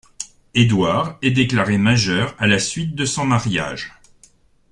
Édouard est déclaré majeur à la suite de son mariage.